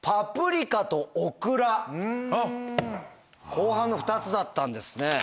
後半の２つだったんですね。